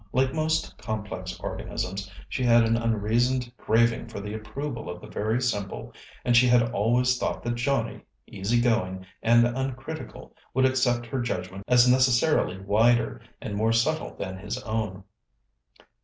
Like most complex organisms, she had an unreasoned craving for the approval of the very simple, and she had always thought that Johnnie, easy going and uncritical, would accept her judgment as necessarily wider and more subtle than his own.